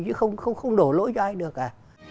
chứ không đổ lỗi cho ai được à